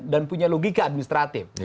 dan punya logika administratif